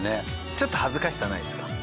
ちょっと恥ずかしさないですか？